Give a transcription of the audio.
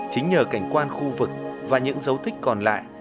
chính nhờ cảnh quan khu vực và những dấu tích còn lại